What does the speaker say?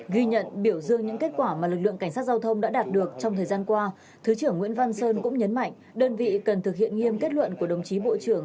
ghi nhận biểu dương những kết quả mà lực lượng cảnh sát giao thông đã đạt được trong thời gian qua thứ trưởng nguyễn văn sơn cũng nhấn mạnh đơn vị cần thực hiện nghiêm kết luận của đồng chí bộ trưởng